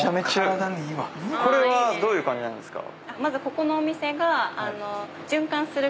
これはどういう感じなんですか？